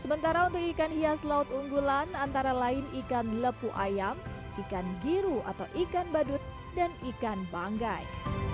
sementara untuk ikan hias laut unggulan antara lain ikan lepu ayam ikan giru atau ikan badut dan ikan banggai